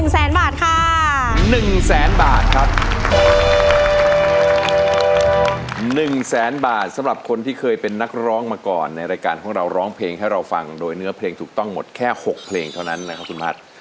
๑แสนบาทสำหรับคนที่เคยเป็นนักร้องมาก่อนในรายการของเราร้องเพลงให้เราฟังโดยเนื้อเพลงถูกต้องหมดแค่๖เพลงเท่านั้นนะครับคุณพัฒน์